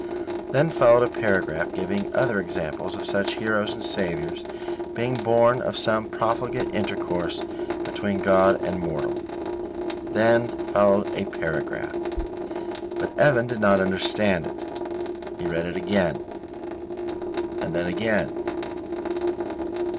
Then followed a paragraph giving other examples of such heroes and Saviours being born of some profligate intercourse between God and mortal. Then followed a paragraph but Evan did not understand it. He read it again and then again.